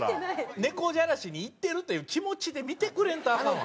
猫じゃらしに行ってるという気持ちで見てくれんとアカンわ。